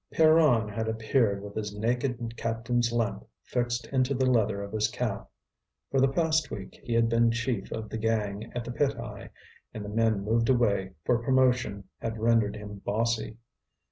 Pierron had appeared with his naked captain's lamp fixed into the leather of his cap. For the past week he had been chief of the gang at the pit eye, and the men moved away, for promotion had rendered him bossy.